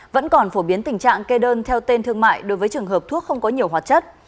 vẫn còn phổ biến tình trạng kê đơn theo tên thương mại đối với trường hợp thuốc không có nhiều hoạt chất